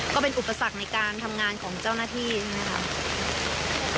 ก็เป็นอุปสรรคในการทำงานของเจ้าหน้าที่ใช่ไหมครับ